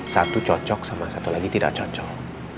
satu cocok sama satu lagi tidak cocok